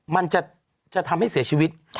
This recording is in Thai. มันจะทำให้เสียชีวิต